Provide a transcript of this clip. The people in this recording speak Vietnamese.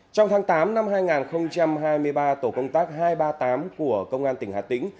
trong tháng tám năm hai nghìn hai mươi ba tổ công tác hai trăm ba mươi tám của công an tỉnh hà tĩnh